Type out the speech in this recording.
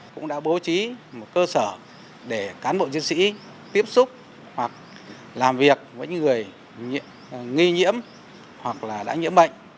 cũng đã bố trí một cơ sở để cán bộ chiến sĩ tiếp xúc hoặc làm việc với những người nghi nhiễm hoặc là đã nhiễm bệnh